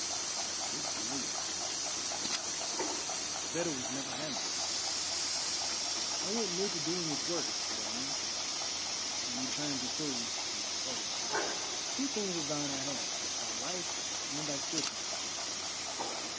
"A good blade," he said; "better was never hammered. It went near to doing its work, Sidonian," and he turned to Kurri as he spoke. "Two things of thine I had: thy life and thy spear point.